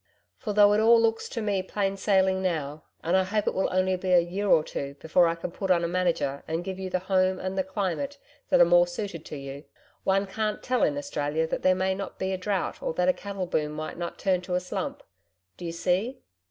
For though it all looks to me plain sailing now, and I hope it will only be a year or two before I can put on a manager, and give you the home and the climate that are more suited to you, one can't tell in Australia that there may not be a drought or that a cattle boom may not turn to a slump do you see?'